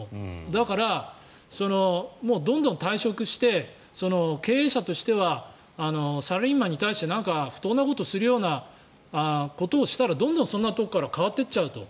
だから、どんどん退職して経営者としてはサラリーマンに対してなんか不当なことをするようなことをしたらどんどんそんなところから変わっていっちゃうと。